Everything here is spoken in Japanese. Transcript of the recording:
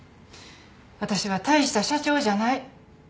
私は大した社長じゃない。